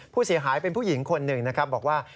ผู้เสียหายเป็นผู้หญิงคนหนึ่งนะครับบอกว่า